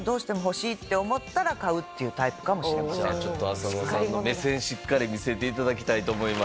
浅野さんの目線しっかり見せて頂きたいと思います。